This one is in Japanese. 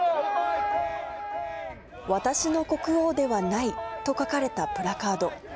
私の国王ではないと書かれたプラカード。